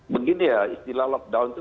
begini ya istilah lockdown itu